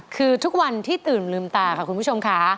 คือทุกวันที่ตื่นลืมตาค่ะคุณผู้ชมค่ะ